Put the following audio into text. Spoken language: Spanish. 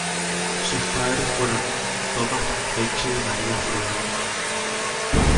Sus padres fueron Tomás Campeche y María Jordán.